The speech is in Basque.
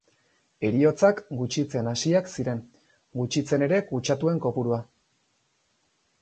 Heriotzak gutxitzen hasiak ziren, gutxitzen ere kutsatuen kopurua.